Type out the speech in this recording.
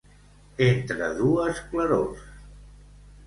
Entre dues clarors.